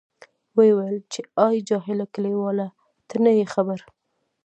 ویې ویل، چې آی جاهله کلیواله ته نه یې خبر.